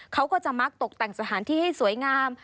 เขาก็จะมักตกแต่งสถานที่ให้สวยงาม